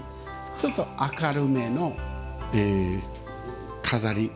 ちょっと明るめの飾り。